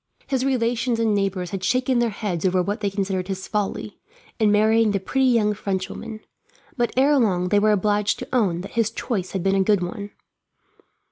His relations and neighbours had shaken their heads over what they considered his folly, in marrying the pretty young Frenchwoman; but ere long they were obliged to own that his choice had been a good one.